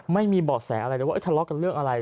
ไม่มีเบาะแสอะไรเลยว่าทะเลาะกันเรื่องอะไร